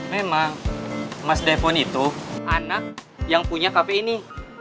memang mas defon itu anak yang punya cafe ini